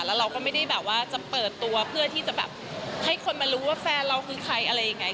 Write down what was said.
แล้วเราก็ไม่ได้แบบว่าจะเปิดตัวเพื่อที่จะแบบให้คนมารู้ว่าแฟนเราคือใครอะไรยังไง